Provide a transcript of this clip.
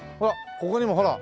ここにもほら。